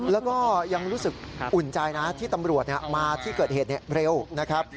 แล้วก็ยังรู้สึกอุ่นใจนะที่ตำรวจมาที่เกิดเหตุเร็วนะครับ